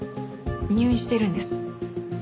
入院しているんです。